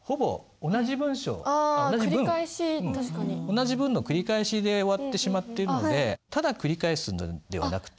同じ文の繰り返しで終わってしまっているのでただ繰り返すのではなくて。